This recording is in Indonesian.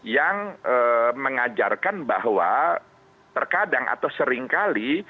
yang mengajarkan bahwa terkadang atau seringkali